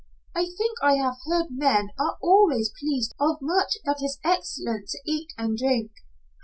I think I have heard men are always pleased of much that is excellent to eat and drink."